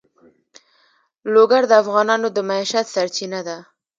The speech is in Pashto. لوگر د افغانانو د معیشت سرچینه ده.